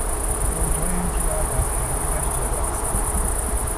او دو امتیاز از حریفش جلو است.